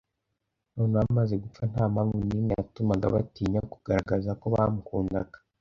Noneho amaze gupfa nta mpamvu nimwe yatumaga batinya kugaragaza ko bamukundaga;